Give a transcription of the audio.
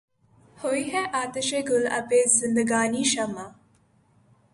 ہوئی ہے آتشِ گُل آبِ زندگانیِ شمع